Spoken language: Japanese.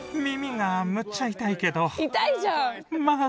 痛いじゃん。